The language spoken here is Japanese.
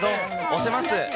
推せます。